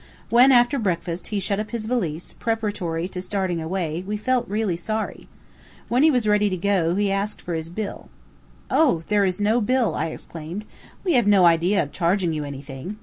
When, after breakfast, he shut up his valise, preparatory to starting away, we felt really sorry. When he was ready to go, he asked for his bill. "Oh! There is no bill," I exclaimed. "We have no idea of charging you anything.